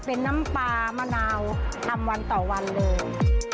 เป็นน้ำปลามะนาวทำวันต่อวันเลย